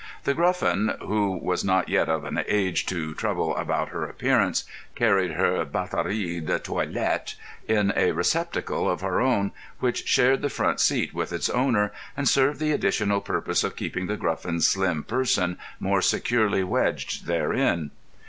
The Gruffin, who was not yet of an age to trouble about her appearance, carried her batterie de toilette in a receptacle of her own, which shared the front seat with its owner, and served the additional purpose of keeping The Gruffin's slim person more securely wedged therein.